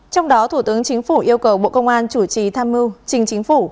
trong đó thủ tướng chính phủ yêu cầu bộ công an chủ trì tham mưu trình chính phủ